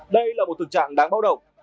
đây là một thực trạng đáng báo động